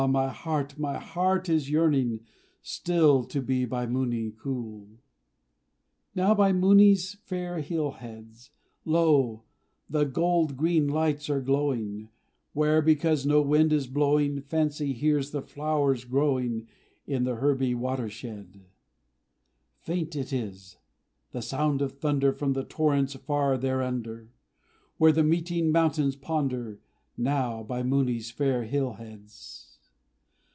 my heart my heart is yearning Still to be by Mooni cool! Now, by Mooni's fair hill heads, Lo, the gold green lights are glowing, Where, because no wind is blowing, Fancy hears the flowers growing In the herby watersheds! Faint it is the sound of thunder From the torrents far thereunder, Where the meeting mountains ponder Now, by Mooni's fair hill heads.